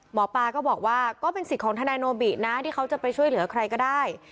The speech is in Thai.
หมอปลาก็บอกว่าก็เป็นสิทธิ์ของทนายโนบินะที่เขาจะไปช่วยเหลือใครก็ได้